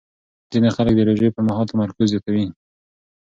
ځینې خلک د روژې پر مهال تمرکز زیاتوي.